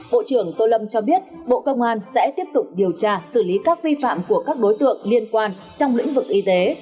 bộ trưởng tô lâm cho biết bộ công an sẽ tiếp tục điều tra xử lý các vi phạm của các đối tượng liên quan trong lĩnh vực y tế